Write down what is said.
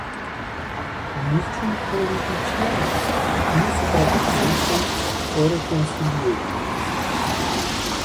Niciun politician nu supraviețuiește fără consilieri.